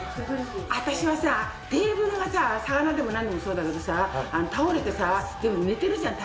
私はさテーブルがさ魚でもなんでもそうだけどさ倒れてさでも寝てるじゃん？